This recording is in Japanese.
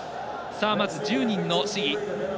まず１０人の試技。